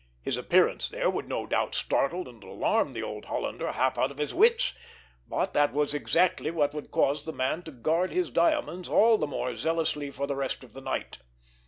His appearance there would no doubt startle and alarm the old Hollander half out of his wits, but that was exactly what would cause the man to guard his diamonds all the more zealously for the rest of the night.